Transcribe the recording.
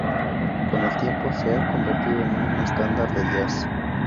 Con el tiempo, se ha convertido en un estándar de jazz.